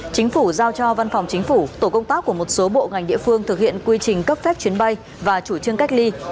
chính phủ giao cho văn phòng chính phủ tổ công tác của một số bộ ngành địa phương thực hiện quy trình cấp phép chuyến bay và chủ trương cách ly